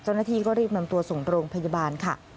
เจ้าหน้าที่ก็รีบนำตัวส่งโรงพยาบาลค่ะ